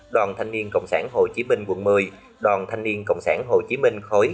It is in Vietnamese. đoàn thanh niên cộng sản hồ chí minh quận một mươi đoàn thanh niên cộng sản hồ chí minh khối